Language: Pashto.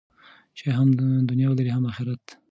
چې هم دنیا ولرئ هم اخرت.